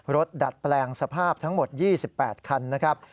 ดัดแปลงสภาพทั้งหมด๒๘คันนะครับ